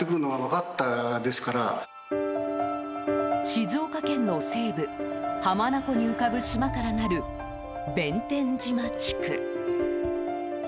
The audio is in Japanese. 静岡県の西部浜名湖に浮かぶ島からなる弁天島地区。